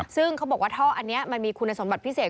ซึ่งเขาบอกว่าท่ออันนี้มันมีคุณสมบัติพิเศษ